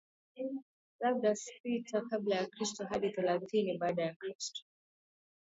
labda sita kabla ya kristo hadi thelathini baada ya kristo